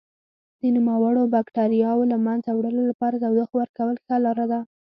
د نوموړو بکټریاوو له منځه وړلو لپاره تودوخه ورکول ښه لاره ده.